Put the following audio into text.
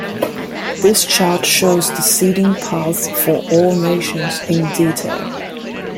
This chart shows the seeding path for all nations, in detail.